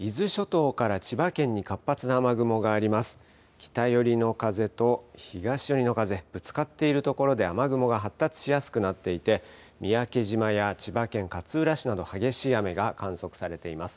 北寄りの風と東寄りの風、ぶつかっているところで雨雲が発達しやすくなっていて三宅島や千葉県勝浦市など激しい雨が観測されています。